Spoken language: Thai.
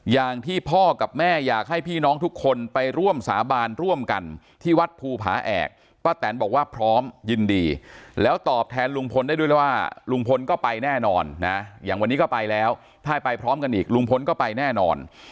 อย่างที่พ่อกับแม่อยากให้พี่น้องทุกคนไปร่วมสาบานร่วมกันที่วัดภูผาแอกป้าแตนบอกว่าพร้อมยินดีแล้วตอบแทนลุงพลได้ด้วยแล้วว่าลุงพลก็ไปแน่นอนนะอย่างวันนี้ก็ไปแล้วถ้าไปพร้อมกันอีกลุงพลก็ไปแน่นอน